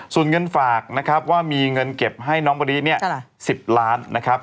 ส่วนเงินฝากนะครับว่ามีเงินเก็บให้น้องมะลิ๑๐ล้านบาท